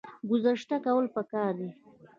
ګذشت کول پکار دي